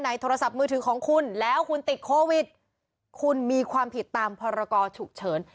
โทรศัพท์มือถือของคุณแล้วคุณติดโควิดคุณมีความผิดตามพรกรฉุกเฉิน